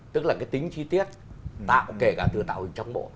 tức là cái tính chi tiết tạo kể cả từ tạo hình trong bộ